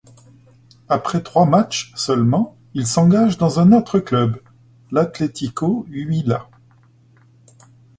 Après trois matchs seulement, il s'engage dans un autre club, l'Atlético Huila.